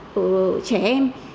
của trẻ em